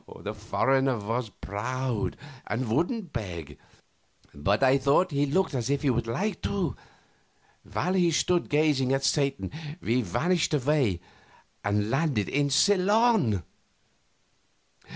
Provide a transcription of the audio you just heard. The foreigner was proud and wouldn't beg, but I thought he looked as if he would like to. While he stood gazing at Satan we vanished away and landed in Ceylon.